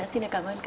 xin cảm ơn các bạn